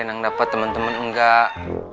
yang dapat teman teman enggak